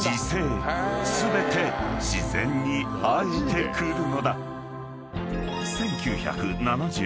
［全て自然に生えてくるのだ］